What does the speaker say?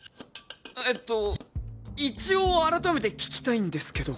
えっと一応あらためて聞きたいんですけど。